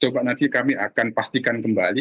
coba nanti kami akan pastikan kembali